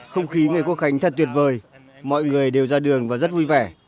không khí ngày quốc khánh thật tuyệt vời mọi người đều ra đường và rất vui vẻ